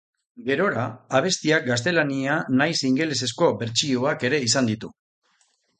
Gerora abestiak gaztelania nahiz ingelesezko bertsioak ere izan ditu.